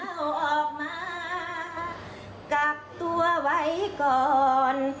เอาออกมากักตัวไว้ก่อน